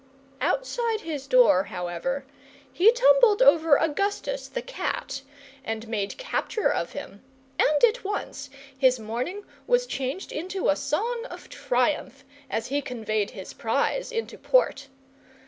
Outside his door, however, he tumbled over Augustus the cat, and made capture of him; and at once his mourning was changed into a song of triumph, as he conveyed his prize into port.